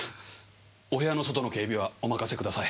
お部屋の外の警備はお任せください。